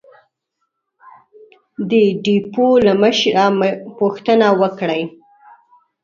د ډېپو له مشره پوښتنه وکړئ!